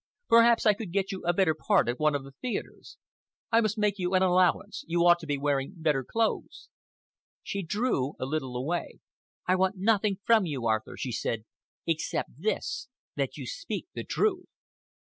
Perhaps I could get you a better part at one of the theatres. I must make you an allowance. You ought to be wearing better clothes." She drew a little away. "I want nothing from you, Arthur," she said, "except this—that you speak the truth."